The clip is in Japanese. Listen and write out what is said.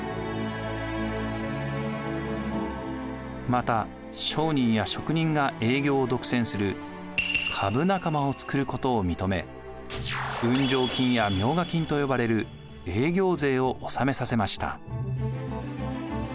また商人や職人が営業を独占する株仲間を作ることを認め運上金や冥加金と呼ばれる営業税を納めさせました。